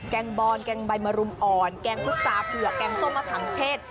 งบอนแกงใบมะรุมอ่อนแกงพุษาเผือกแกงส้มมะขามเทศ